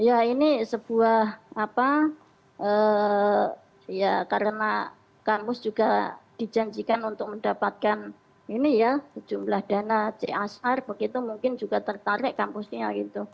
ya ini sebuah apa ya karena kampus juga dijanjikan untuk mendapatkan ini ya sejumlah dana csr begitu mungkin juga tertarik kampusnya gitu